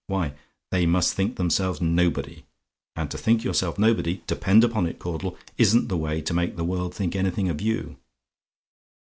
Why, they must think themselves nobody; and to think yourself nobody depend upon it, Caudle, isn't the way to make the world think anything of you.